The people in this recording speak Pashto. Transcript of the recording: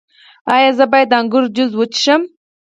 ایا زه باید د انګور جوس وڅښم؟